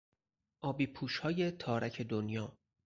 آبیپوشهای تارک دنیا